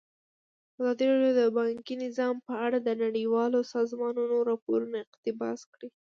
ازادي راډیو د بانکي نظام په اړه د نړیوالو سازمانونو راپورونه اقتباس کړي.